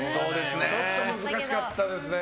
ちょっと難しかったですね。